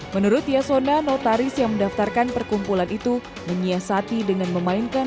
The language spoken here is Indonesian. menurut yasona notaris yang mendaftarkan perkumpulan itu menyiasati dengan memainkan